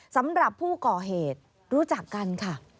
สำหรับผู้ก่อเหตุรู้จักกันค่ะ